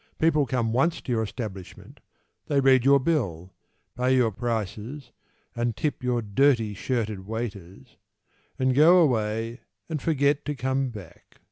People come once to your establishment, They read your bill, Pay your prices And tip your dirty shirted waiters, And go away And forget to come back.